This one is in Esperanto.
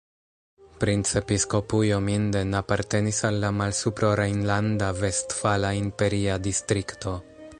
Princepiskopujo Minden apartenis al la Malsuprorejnlanda-Vestfala Imperia Distrikto.